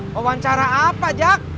wawancara apa jak